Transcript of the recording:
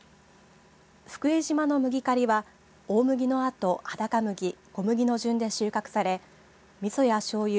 福江島の麦刈りは大麦のあと裸麦、小麦の順で収穫されみそやしょうゆ